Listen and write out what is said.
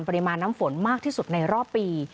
ปริมาณน้ำฝนมากที่สุดในรอบปี